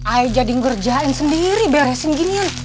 ayah jadi ngerjain sendiri beresin ginian